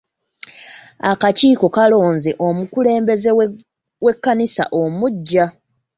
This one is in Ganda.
Akakiiko kalonze omukulembeze w'ekkanisa omuggya.